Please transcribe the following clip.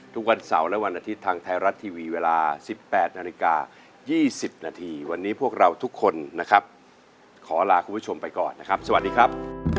ตอนนั้นลูกสาวผมคือประสบประเทศนะครับ